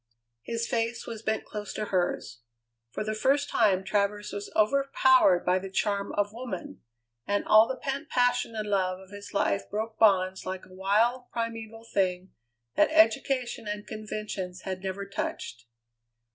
His face was bent close to hers. For the first time Travers was overpowered by the charm of woman, and all the pent passion and love of his life broke bonds like a wild, primeval thing that education and conventions had never touched.